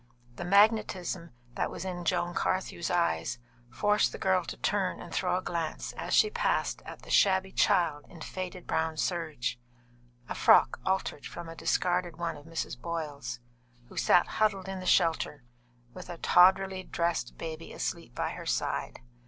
The magnetism that was in Joan Carthew's eyes forced the girl to turn and throw a glance as she passed at the shabby child in faded brown serge (a frock altered from a discarded one of Mrs. Boyle's) who sat huddled in the shelter, with a tawdrily dressed baby asleep by her side.